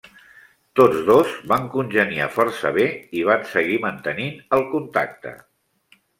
Tots dos van congeniar força bé i van seguir mantenint el contacte.